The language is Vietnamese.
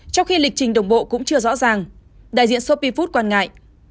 trong khi lịch trình đồng bộ cũng chưa rõ ràng đại diện sopi food quan ngại